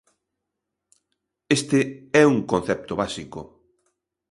Este é un concepto básico.